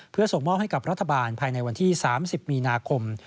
เพื่อส่งมอบให้กับรัฐบาลภายในวันที่๓๐มีนาคม